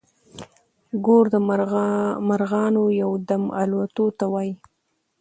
ګور د مرغانو يو دم الوتو ته وايي.